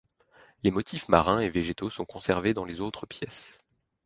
Les motifs marins et végétaux sont conservés dans les autres pièces.